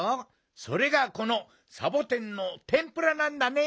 それがこのサボテンのてんぷらなんだね。